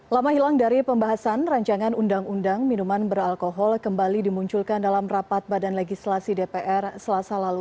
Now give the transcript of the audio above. lama hilang dari pembahasan rancangan undang undang minuman beralkohol kembali dimunculkan dalam rapat badan legislasi dpr selasa lalu